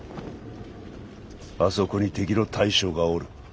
あそこに敵の大将がおる。